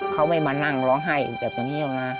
เขาไม่มานั่งร้องไห้อยู่แบบนี้แล้วนะ